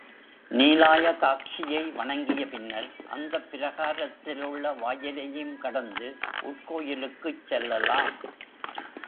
நீலாயதாக்ஷியை வணங்கிய பின்னர் அந்தப் பிரகாரத்திலுள்ள வாயிலையும் கடந்து உட்கோயிலுக்குச் செல்லலாம்.